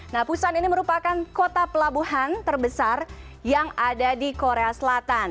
nah pusan ini merupakan kota pelabuhan terbesar yang ada di korea selatan